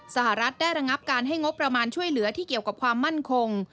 สหรัฐได้ระงับการให้งบประมาณช่วยเหลือที่เกี่ยวกับความมั่นคง